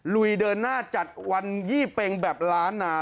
ลุยเดินหน้าจัดวันยี่เป็งแบบล้านนา